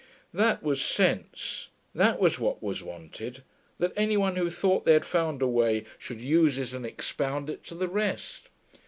That was sense; that was what was wanted, that any one who thought they had found a way should use it and expound it to the rest.